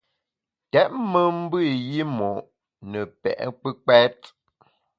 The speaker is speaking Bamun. Tèt me mbe i yimo’ ne pe’ kpùkpèt.